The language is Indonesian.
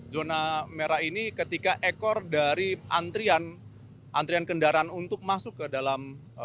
zona merah ini ketika ekor dari antrian kendaraan untuk masuk ke dalam